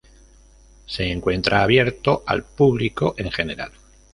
Se encuentra abierto al público en general.